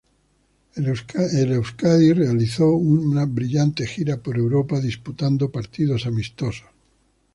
El Euskadi realizó una brillante gira por Europa disputando partidos amistosos.